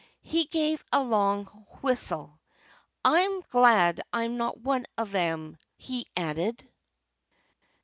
He gave a long whistle. "I'm glad I'm not one of 'em," he added.